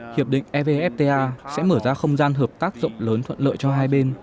hiệp định evfta sẽ mở ra không gian hợp tác rộng lớn thuận lợi cho hai bên